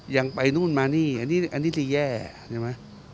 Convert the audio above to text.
ยังไปนู่นมานี่อันนี้ที่แย่ใช่ไหม